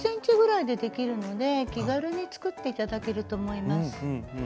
５０ｃｍぐらいでできるので気軽に作って頂けると思います。